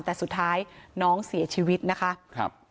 แต่สุดท้ายน้องเสียชีวิตนะคะครับ